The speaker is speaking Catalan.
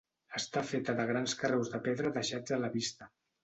Està feta de grans carreus de pedra deixats a la vista.